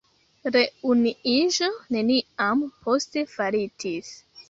Reunuiĝo neniam poste faritis.